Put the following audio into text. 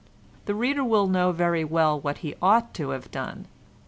The reader will know very well what he ought to have done.